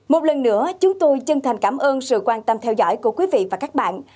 một lần nữa chúng tôi chân thành cảm ơn sự quan tâm theo dõi của quý vị và các bạn